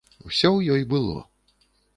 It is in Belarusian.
Усё ў ёй было.